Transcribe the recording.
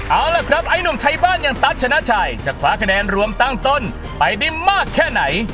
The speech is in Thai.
เอาล่ะครับไอ้หนุ่มใช้บ้านอย่างตั๊ชนะชัยจะคว้าคะแนนรวมตั้งต้นไปได้มากแค่ไหน